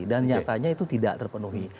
dan nyatanya itu tidak terpenuhi